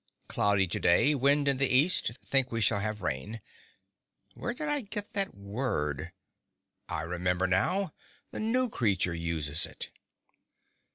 Cloudy to day, wind in the east; think we shall have rain…. Where did I get that word?… I remember now—the new creature uses it.